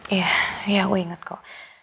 iya iya aku inget kok